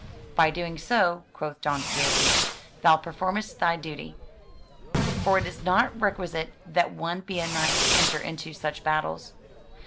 "By doing so," quoth Don Quixote, "thou performest thy duty; for it is not requisite that one be a knight to enter into such battles."